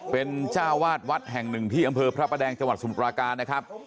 เป็นเจ้าวาดวัดแห่งหนึ่งที่อำเภอพระประแดงจังหวัดสมุทราการนะครับ